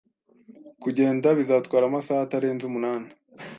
Kugenda bizatwara amasaha atarenze umunani.